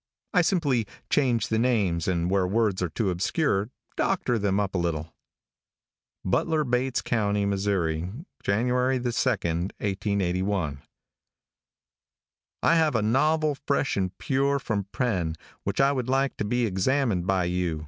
I simply change the names, and where words are too obscure, doctor them up a little: Butler, Bates county, Mo., Jan. the 2, 1881. I have a novle fresh and pure from the pen, wich I would like to be examined by you.